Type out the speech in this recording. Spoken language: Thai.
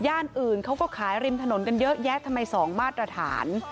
อื่นเขาก็ขายริมถนนกันเยอะแยะทำไม๒มาตรฐาน